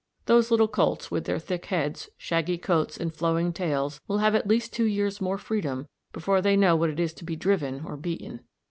Those little colts, with their thick heads, shaggy coats, and flowing tails, will have at least two years more freedom before they know what it is to be driven or beaten.